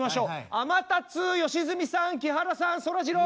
あまたつー良純さん木原さんそらジロー。